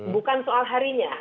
bukan soal harinya